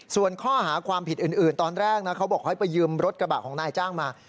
ส่วนข้อหาความผิดอื่นตอนแรกนะเขาบอกให้ไปยืมรถกระบะของนายจ้างมา